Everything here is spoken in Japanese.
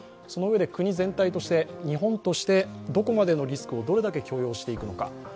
そのうえで国全体として日本としてどこまでのリスクをどれだけ許容していくのか。